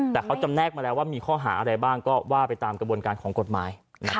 แต่เขาจำแนกมาแล้วว่ามีข้อหาอะไรบ้างก็ว่าไปตามกระบวนการของกฎหมาย